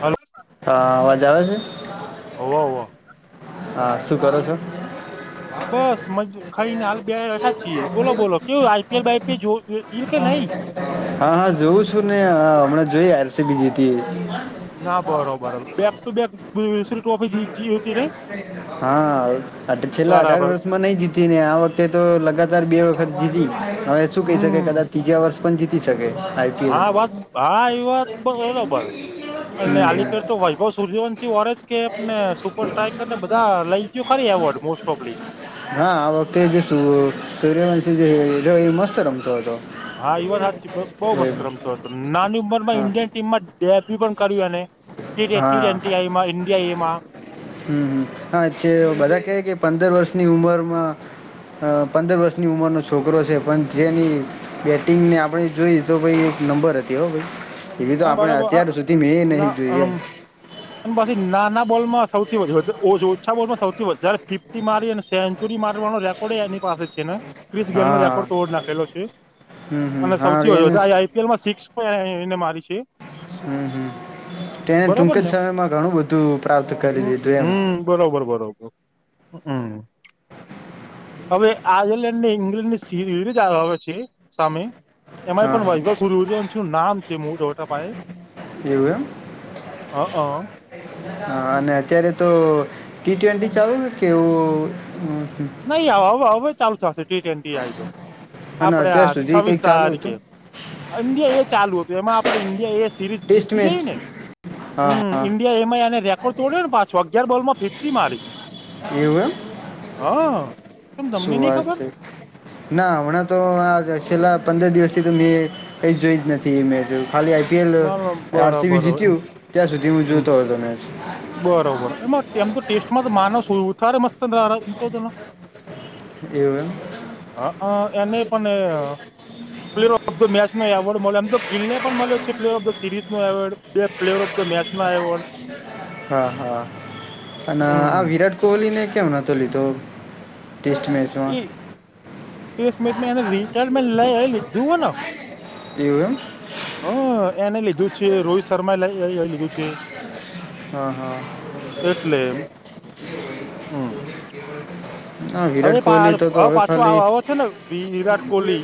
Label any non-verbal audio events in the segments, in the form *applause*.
Hello અ અવાજ આવે છે? હોવ હોવ હાં શું કરો છો? બસ મજ ખાઈ ને હાલ બેઠા જ છીએ બોલો બોલો કેવું આઈપીએલ બાઈપીએલ જો *unintelligible* નઈ? હા હા જોવ છું ને હા હમણાં જોઈ એલસીબી જીતી એ. હા બરોબર બેક ટુ બેક વીલીસીલ ટ્રોફી જી તી હતી રે હા હા તે છેલ્લા અઢાર બરાબર વર્ષમાં નઈ જીતી ને આ વખતે તો લગાતાર બે વખત જીતી હવે શું કઈ શકાય હમ કદાચ તીજા વર્ષ પન જીતી શકે આઈ હા *unintelligible* હા ઈ વાત તો બરોબર અને હમ, હાલી ફેર તો હમ. વૈભવ સૂર્યવંશસિ વોરેજ કેપને સુપર સ્ટાઈકર ને બધાં લઈ ગ્યુ ખરી એવોર્ડ મોસ્ટોફલી. હા આ વક્તે જે સૂ સૂર્યવંશી જે હીરો ઈ મસ્ત રમતો હતો. હા ઈ વાત હાચી બ બઉ ઓય, મસ્ત રમતો નાની ઉંમર માં હા ઇન્ડિયન ટીમ માં ડેબી પણ કર્યું એને હા *unintelligible* એ એમાં હમ્મ હા છે બધાં કે કે પંદર વર્ષની ઉંમર માં હ પંદર વર્ષની ઉંમરનો છોકરો છે પન જેની બેટિંગને આપણે જોઈ તો ભઈ એક નંબર હતી હો ભઈ. એવી તો હા આપણે અત્યાર સુધી મેં એ નહી જોઈ એમ. *inaudible* અન પસી નાના બોલમાં સૌથી વધુ હતા ઓછા બોલમાં સૌથી વધારે ફિફ્તી મારી અને સેન્ચુરી મારવાનો રે કોડેય એની પાસે છે ને ક્રિસ ગેલ નો હા રેકોર્ડ તોડ નાખેલો છે હમ હમ અને હા સૌથી એને વધ આઈઆઈ પી એલ માં સિક્સ પણ એણ એને મારી છે. હમ્મ હમ્મ તેને ટૂંક બરોબર જ ને સમયમાં ઘણું બધું પ્રાપ્ત કરી લીધું એમ. હમ બરોબર બરોબર હમ્મ હવે આયર્લેન્ડ ને ઇંગ્લન્ડ ની સીરીરીજ આ આવે છે સામે એમાંય હા પણ હા વૈભવ સુરર્યવંશી નુ નામ છે મોઓટા પાયે એવું એમ હ અ હા અને અત્યારે તો ટી ટ્વેન્ટી ચાલુ કેવું હ હ નઈ આવ હવ હવે ચાલુ થશે ટી ટેન્ટી આઈ તો અને આપડે આ અત્યાર સુધી છવીસ કંઈક ચાલુ હતું તારીખે અન્ડિયા એ ચાલુ હતુ, એમાં આપડે ઈન્ડિયા એ સિરીજ ટેસ્ટ જીતી મેચ જય ને હા હં હા ઈન્ડિયા એમાં એને રેકોર્ડ તોડ્યો ને પાછો અગયાર બોલ માં ફિફ્ટી મારી એવું એમ હા કેમ તમને શું નઈ વાત ખબર છે. ના હમણા તો, આ છેલ્લા પંદર દિવસથી તો એ જોઈ જ નથી એમ. ખાલી આઈપીએલ ના ના આરસીબી બરાબર એમ જીત્યુ, ત્યાં સુધી હું હમ જોતો હતો મે બરોબર. એમાં એમ તો ટેસ્ટમાં તો માણસ થારે મસ્ત એવ એમ હ એને પણ પ્લેયર ઓફ ધ મેચ નો એવોર્ડ મળ્યો એમ તો ગિલને પણ મળ્યો છે. પ્લેયર ઓફ ધ સીરીઝ નો એવોર્ડ. બે પ્લેયર ઓફ ધ મેચનો એવોર્ડ હા હા! અને આ હમ વિરાટ કોહલી ને કેમ નતો લીધો ટેસ્ટ મેચ એ ટેસ્ટ મેચ માં એને રિટાયરમેન્ટ લઈલી જુઓને એવું એમ હા! એને લીધું છે. રોહિત શર્મા એ લ એ લીધું છે. હા હા એટલે એમ હમ ના હવે વિરાટ કોહલી તો તો હવે પાછો ખાલી આવે છેને, વિરાટ કોહલી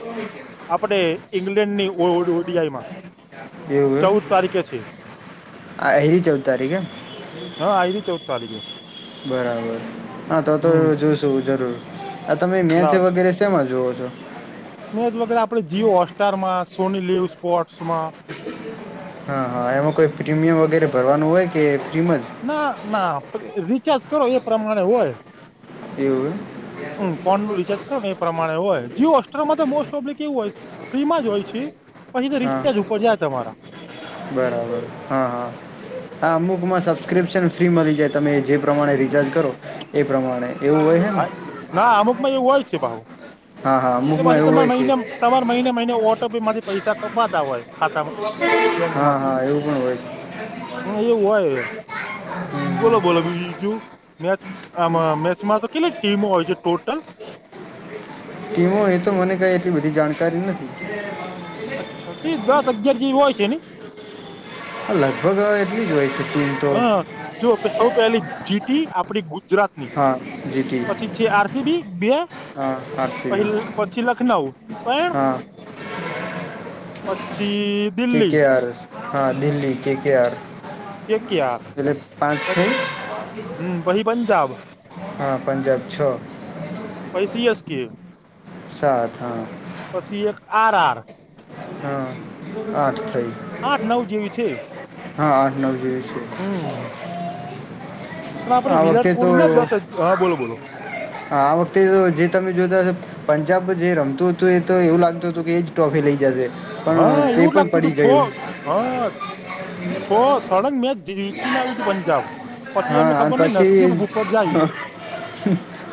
આપડણે ઈંગ્લેન્ડ ની ઓડીઆઈ મા એવુ ચૌદ તારીખે છે. આ એરી ચૌદ તારીખે હા આ આવી ર ચૌદ તારીખે બરાબર. હા તો તો હમ એ જોશું જરૂર. આ તમે મેથ વગેરે તેમાં જુઓ છો. મેંજ વગર આપડે જીવ હોટસ્ટાર માં, સોની લીવ સ્પોર્ટ્સ મા હા હા! એમાં કોઈ પ્રીમિયમ વગેરે ભરવાનું હોય કે, પ્રીમ જ ના ના રિચાર્જ કરો એ પ્રમાણે હોય. એવું હે હમ ફોન નું રિચાર્જ કરો ને પ્રમાણે હોય જીયો હોસ્ટસ્ટ ઓબ્લિક એવું હોય ફ્રીમાં જ હોય છે. પછી હા રિચાર્જ પડ જ તમારા બરાબર હા હા હા! અમુકમાં સબસ્ક્રિપ્શન ફ્રી મળી જ તમે જે પ્રમાણે રિચાર્જ કરો, એ પ્રમાણે એવું હોય છે ને હા ના અમુકમાં એવું હોય જ છે. ભહુ હા હા એ અમુકમાં પછી ત એવું હોય છે મહિને તમારે મહિને મહિને ઓટો પે માંથી પૈસા કપવાતા હોય. ખાતામાં બેંક હા માંથી હા એવું પણ હોય છે. હ એવું હોય. બોલો બોલો બીજું મેચ આમાં મેચમાં તો, કેટલીક ટીમો હોય છે ટોટલ ટીમો એ તો મને કઈ એટલી બધી જાણકારી નથી. અચ્છા કે દસ અગિયાર જેવી હોય છેને. હ લગભગ હ એટલી જ હોય છે. ટીમ તો હ જોુઓ સૌ પહેલી જીતી, આપડી ગુજરાત ની હા જીટી પછી છે, આરસીબી બે હા પ આરસીબી પછી લખનઉ તો એમ હા પછી કે દિલ્હી કે આર હા Delhi. K K R. K K R જેટલે પાંચ છે. હમ પછી પંજાબ હા પંજાબ છ પછી સી એસ કે. સાત હા એક આર આર હા આઠ થઈ. આઠ નવ જેવી છે હા આઠ નવ જ છે. હમ પણ આપડે આ વખતે વિરાટ તો કોહલીને દસ હજ. હા બોલો બોલો. આ વખતે જે તમે જોતા હો પંજાબ જે રમતું હતું એ તો એવું લાગતું હતું કે એ જ ટ્રોફી લઇ જશે. હા પણ તે એવું જ પણ લાગતું હતું પડી છ ગયું. હા છો સડંગ મે જીતીને આવ્યું તું પંજાબ પછી એમને હા અને ખબર નય પછી નસીબ ઉપર જાયું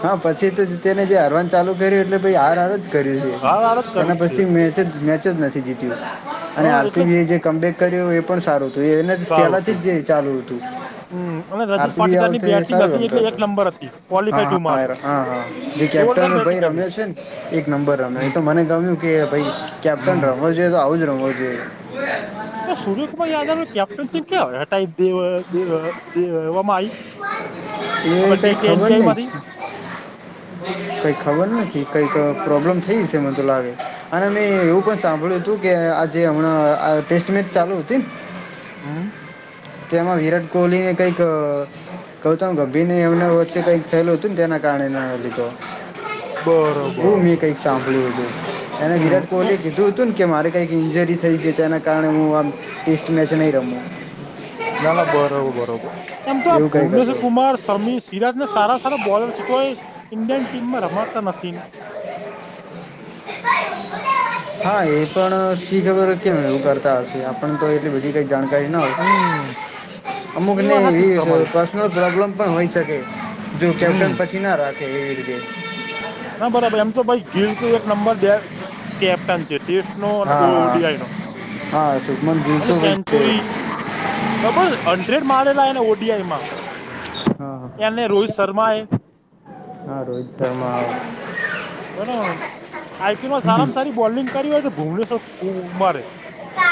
હા પછી તો તેને જે હારવાન ચાલુ કર્યું એટલે હાર હાર જ હાર હાર જ કર્યું તેના જ પછી છે મે મેચ નથી જીત્યું અને હા એટલે જ આરસીબીએ કમબેક કર્યું એ પણ સારું હતું એને સારું પહેલાથી હતું જ જે હતું હમ અને રજત આરસીબી આ પાટીદાર ની વખતે બેટિંગ સારુ હતી રમતું એટલે એક હતું. નંબર હતી ક્વોલિફાય હા ટુ માં હતો હા જે જોરદાર કેપ્ટન ભાઈ બેટિંગ હતી રમ્યો છે ન એક નંબર રમ્યો એ હમ તો મને ગમ્યું કે ભાઈ કેપ્ટન હમ રમ રમવો જોઈએ તો આવોજ રમવો જોઈએ. તો સૂર્યકુમાર યાદવની કેપ્ટનશિપ કે દેવામાં એ આવી ટીટ્વેન્ટીમાંથી *inaudible* કઈ ખબર નથી કઈક પ્રોબ્લેમ થઈ હશે મને તો લાગે અને મેં એવું પણ સાંભળ્યું શું કે આજે હમણાં ટેસ્ટ મેચ ચાલુ હતી ન હમ. તેમાં વિરાટ કોહલીને કઈક ગૌતમ ગંભીર એમના વચ્ચે કઈક થયેલું હતું ને તેના કારણે ના લીધો. બરોબર હું મેં બરોબર કઈક સાંભળ્યું હતું એને હમ વિરાટ કોહલી કીધું કીધું તું કે મારે કઈક ઈન્જરી થઈ છે તેના કારણે હું આ ટેસ્ટ મેચ નહીં રમું. ના ના બરોબર બરોબર એમ તો આ એવું કંઈક હતું ભુવનેશ્વરકુમાર સમી સિરાજના સારા સારા બોલર છે તો એ ઇન્ડિયન ટીમમાં રમાડતા નથી. હા એ પણ શી ખબર કેમ એવું કરતા હશે આપણ તો એટલી બધી કોઈ જાણકારી ના હોય. હમ એ અમુકને વાત હાચી છે એવી તમારી પર્સનલ પ્રોબ્લેમ પણ હોઈ શકે જો હમ કેપ્ટન પછી ના રાખે એવી રીતે ના બરાબર એમ તો ભાઈ ગીલ તો એક નંબર બે કેપ્ટન છે. ટેસ્ટ નો અને હા હા ઓડીઆઈનો હા શુભમન ગીલ અને તો ભાઈ છે સેન્ચુરી ડબલ હન્ડ્રેડ મારેલા ને ઓડીઆઈમાં હા એને રોહિત શર્મા એ હા રોહિત શર્મા બરાબર આઈપીએલમાં સારામાં સારી બોલિંગ કરી હોય તો ભુવેશ્વર કુમારે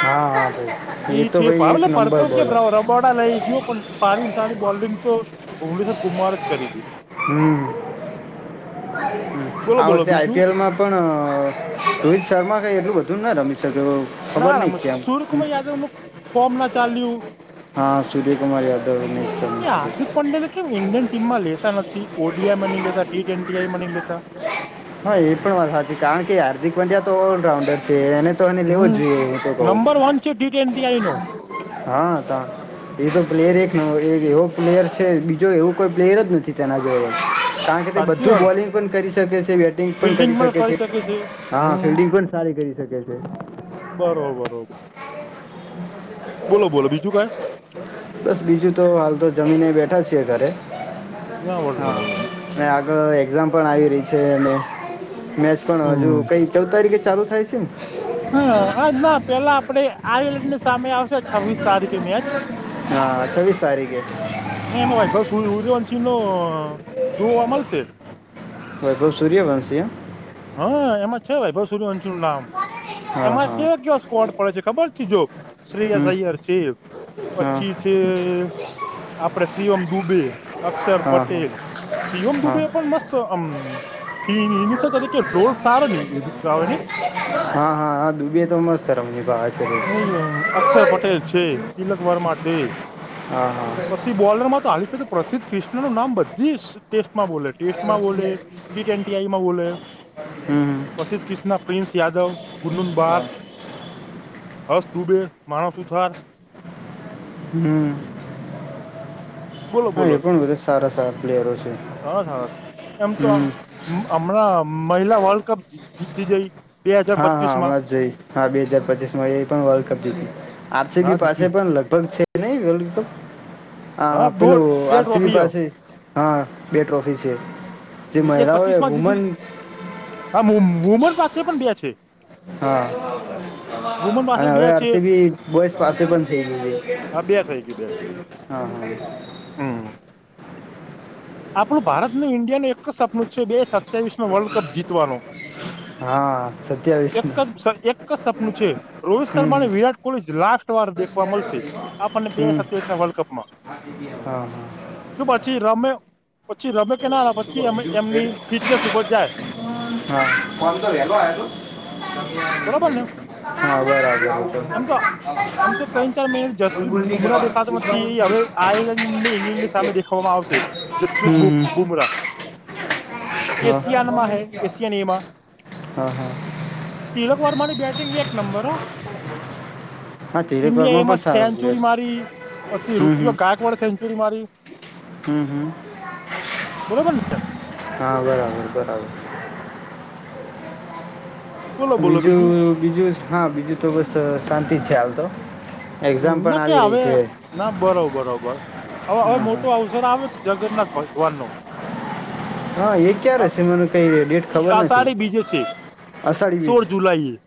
હા ભાઈ એ તો ભાઈ એક નંબર બોલર *unintelligible* બોડા લઈ જયો પણ સારી સારી બોલિંગ તો ભુવેશ્વર કુમારે જ કરી છે. હમ બોલો આ બોલો વખતે બીજું આઈપીએલમાં પણ રોહિત શર્મા કઈ એટલું બધું ના રમી શક્યો. ના ખબર નામ નહીં કેમ સૂર્યકુમાર યાદવનું ફોર્મ ના ચાલ્યું. હા સૂર્યકુમાર યાદવ એ હાર્દિક પંડ્યાને કેમ ઇન્ડિયન ટીમમાં લેતા નથી ઓડીઆઇમાં લેતા નથી ટી ટ્વેન્ટી આઈમાં નય લેતા. હા એ પણ વાત સાચી કારણ કે હાર્દિક પંડ્યા તો ઓલરાઉન્ડર છે એને તો એને લેવો જ જોઈએ હું તો કઉું કે ટી ટ્વેન્ટી આઈનો હા. એ તો પ્લેયર એક ન એવો પ્લેયર છે બીજો એવું કોઈ પ્લેયર જ નથી તેના જો કારણ કે તે સાચું બધું વાર બોલિંગ પણ કરી શકે છે બેટિંગ પણ કરી શકે છે. હા ફિલ્ડિંગ પણ સારી કરી શકે છે. બરોબરોબર બોલો બોલો બીજું ક બસ બીજું તો હાલ તો જમીને બેઠા છીએ ઘરે ના બળ હા આગળ એક્ઝામ પણ આવી રહી છે અને મેચ પણ હજુ હમ કઈ ચૌ તારીખે ચાલુ થાય છેને. હ હ ના પેલા આપડે આયડ ની સામે આવશે છબ્વીસ તારીખે મેચ હા છવ્વીસ તારીખે હ એમાં ભાઈ બસર સૂર્યવંશી નો જોવા મળશે વૈભવ સૂર્ય વંશી હા એમાં છે ભાઈ ભાઈ સરવંશુ નું નામ હા એમાં હા કેવ કેવા સ્કોડ પડે છે ખબર છે, જો શ્રેયસ હમ અૈયર છે હા પછી છ આપડ સ્રીઓ આમ ડૂબે અક્ષર હા હા પટેલ શિવમ હા દુબે પણ મસ્તમ ફ તરીકે ડોલ સારો નની એ ગવા ની હા હા હા ડૂબી તો મસ્ત અમની ભ અ અક્ષર પટેલ છે, તિલક વર્મા છે હા હા પછી બોલર માં તો હાલીફે તો પ્રસદ્ધ ક્રિષ્ણનું નામ બધી ટેસ્ટમાં બોલે ટેસ્ટમાં બોલે ટી ટ આઈમાં બોલે હમ પછી જ કિના પ્રિંસ યાદવ ગુનૂન બાર હા હસ દુબે માણસું થાર હમ્મ બોલો એ બોલોાર પણ બધા સારા સારા પ્લેયરો છે સાર છે, એમ તો હમ હમણાં મહિલા વર્લ્ડ કપ જીતી જઈ. હા હા હમણાં જ જોઈ હા બે હાજાર પચીસ માં પણ વર્લ્ડ કપ જીતી. આરસીબી હા પાસે જીત્યું પણ લગભગ છે, નહી વ તો હા દો પેલું બે આરસીબ ટ્રોફી હ. પાસે હા બે ટ્રોફી છે. જે એક પચીસ મહિલાઓ માં વુમન જીતી હા મુમન પાછ પણ બેયા છે. હા વુમન પાસે અને હવે બે છે અરસી ભી બોસ પાસે પણ થઈ ગ હા બે થઈ ગઈ બે થઈ ગઈ. હા હા હમ આપણું ભારતનું ઇન્ડિયાનું એક જ સપનું છે બે સપ સવીસ નો વર્લ્ડ કપ જીતવાનો હા સત્યાવીસ ને એક જ સપનું છે રોહિત હમ શર્માને વિરાટ લાસ્ટ વાર દેખવા મળશે આપણને બે હમ સત્યાવીસ ના વર્લ્ડ કપ મા હા હા શ પછી રમે પછી રમે કે ના પછી એમની ફિટનેસ ઉપર જાય. હા કોમ તો વેલો આ તો બરોબર ને હા બરાબર આવતો એમ તો એમ તો ત્રણ બુમરા દેખાતો નથી એ હવે આયર્લેન્ડ ને ઇંગ્લેન્ડ ની સામે દેખવામાં આવશે પત હમ હમ બુમરા હા એશિયાનમાં હૈ એશિયાન એમા હા હા તિલક વર્માની બેટિંગ એક નંબર હો. હા ઇન્ડિયા તિલકવારમાં પણ એમાં સારો પ્લેયર સેન્ચુરી છે. મારી પછી હમ ઋત ગાગવાડ સેન્ચુરી મારી હમ્મ હમ્મ બરોબર ને હા બરાબર બરાબર. બોલો બોલો બીજું બીજું હા બીજું તો બસ શાંતિ જ છે હાલ તો. હમ એક્ઝામ પણ ન કે આવી રહી હવે. છે. ના બરોબર બરોબર હવે હવે હા હા મોટો અવસર આવે છે જગન્નાથ ભગવાન નો હા એ ક્યારે છે એ મને કઈ ડેટ એ ખબર નથી. અષાઢી બીજે છે અષાઢી બીજ સોળ જુલાઈ એ.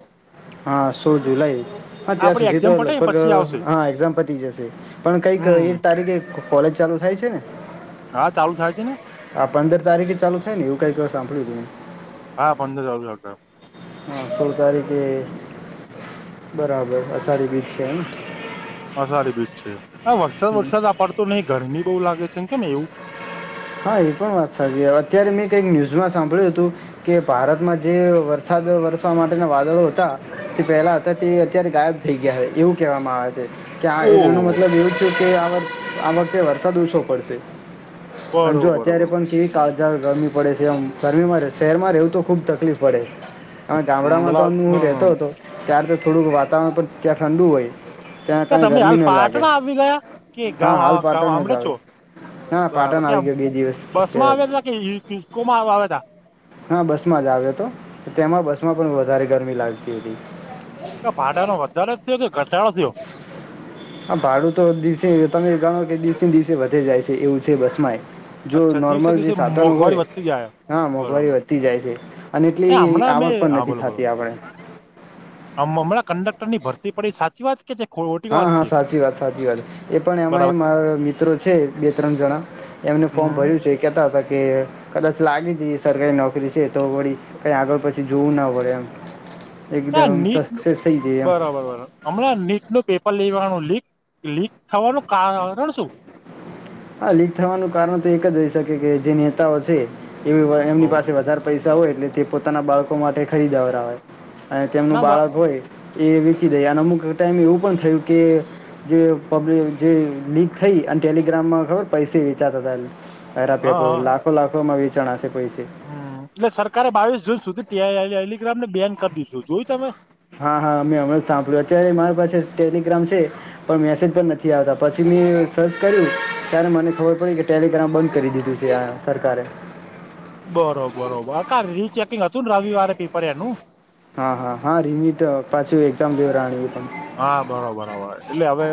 હા સોળ જુલાઈ. હા ત્યાં આપડે સુધી એક્ઝામ તો પટે ને લગભગ પછી આવશે હા એક્ઝામ પતી જશે પણ કઈક હમ એક તારીખે. કોલેજ ચાલુ થાય છે ને. હા ચાલુ થાય છે ને. આ પંદર તારીખે ચાલુ થાય ને એવું કઈ ક સાંભળ્યું તું. હા પંદરે ગયો તો. હા સોળ તારીખે બરાબર અષાઢી બીજ છે એમ. અશાઢી બીજ છે હ વરસાદ હમ વરસાદ આ પડતો નહી ગરમી બઉુ લાગે છે કેમ એવું. હા એ પણ વાત સાચી હે અત્યારે મેં કઈક ન્યુઝમાં સાંભળ્યું હતું. કે ભારતમાં જે વરસાદ વરસવા માટેના વાદળો હતા તે પહેલા હતા તે અત્યારે ગાયબ થઈ ગયા હે એવું કહેવામાં આવે. કે એનો ઓહ મતલબ એવું છે કે આ વખતે વરસાદ ઓછો પડશે. અને બરોબર જો અત્યારે બરોબર પણ કેવી. તા જ ગરમી પડે છે એમ ગરમીમાં શહેરમાં રહેવું તો ખુબ તકલીફ પડે. અને હમ, ગામડામાં તો બલા હું ના રહેતો ના. હતો ત્ય્યારે તો થોડુંક વાતાવરણ પણ ત્યાં ઠંડુ હોય. ત્યા કે કઈ તમે ગરમી હાલ ના લાગે પાટણા આવી ગયા કે હા ગામ હાલ પાટણ જ ગામડે આવે. છો ના બરાબર પાટણ આવી. ક્યાં ગયો બે દિવસ બસ માં પહેલાં જ આવ્યા હતા કે ઇ ઇ ઇકો મા આવા તા. હા બસ માં જ આવ્યો હતો તેમાં બસ માં પણ વધારે ગરમી લાગતી હતી. કે ભાડાનો વધારે થયો કે ઘટાડો થયો. હા ભાડું તો દિવસે તમે ગણો કે દિવસે દિવસે વધે જાય છે એવું છે બસમાંય. જો અચ્છા દિવસે નોર્મલ જે દિવસે સાધનો મોંઘવારી હોય. વધતી જાય હા મોંઘવારી બરોબર વધતી જાય છે અને એ એટલી હમણાં અમે આવક પણ હા નથી બોલો બોલો થતી આપણે હમ હમણાં કંડક્ટર ની ભરતી પડી સાચી વાત. *inaudible* હા હા સાચી વાત સાચી વાત એ પણ બરાબર એમાં મારા મિત્રો છે બે ત્રણ જણા એમને ફોર્મ હમ ભર્યું છે કેતા હતા કે. કદાચ લાગી જઈ સરકારી નોકરી છે તો વળી કઈ આગળ પછી જોવું ના પડે એમ ના એકદમ નીટ નુ સક્સેસ થઈ જઈએ એમ બરાબર બરાબર. હમણાં નીટ નું પેપર લેવાનું લીક લીક થવાનું કારણ શું. હા લીક થવાનું કારણ તો એક જ હોય શકે કે જે નેતાઓ છે એ એમની પાસે વધારે પૈસા તા હોય એટલે તે પોતાના બાળકો માટે ખરીદાવરા અને તેમનું ના બ બાળક હોય. એ વેચી દઈ અને અમુક ટાઈમ એવું પણ થયું કે. જે પબ જે લીક થઈ અને ટેલિગ્રામમાં ખબર પૈસા વેચાતા હતા પેરા હા પેપર હા લાખો લાખોમાં વેચાણા પૈસે હમ એટલે સરકારે બાવીસ જૂન સુધી ટે ટે ટે ટેલીગ્રામ ને બેન કરી દીધું જોયું તમે. હા હા મેં હમણાં જ સાંભળ્યું અત્યારે મારી પાસે ટેલિગ્રામ છે. પણ મેસેજ પણ નથી આવતા પછી મે સર્ચ કર્યું ત્યારે મને ખબર પડી કે ટેલિગ્રામ બધ. કરી દીધું છે આ સરકારે. બરો બરોબર કા રીચેકિંગ હતું રવિવારે પેપર એનુ. હા હા હા રીમીત પાછું એક્ઝામ દેવ રાની એ પણ હા બરો બરોબર એટલે હવે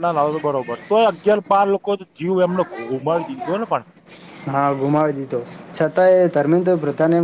ના ના હવે તો બરોબર તોય અગિયાર બાર લોકો જીવું એમને ગુમાવી દીધો ને પણ હા ગુમાવી દીધો છતાંય ધર્મેન્ર પ્રતાને